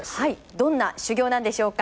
どんな修行なんでしょうか。